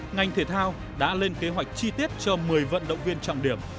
ngành thể thao đã lên kế hoạch chi tiết cho một mươi vận động viên trọng điểm